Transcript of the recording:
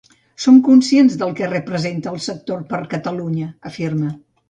Som conscients del que representa el sector per a Catalunya, afirma.